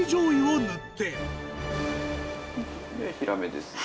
ヒラメです。